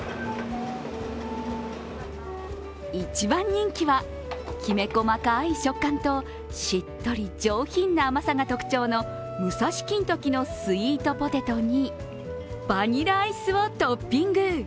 一番人気は、きめ細かい食感としっとり上品な甘さが特徴のむさし金時のスイートポテトにバニラアイスをトッピング。